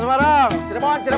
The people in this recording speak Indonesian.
semarang semarang semarang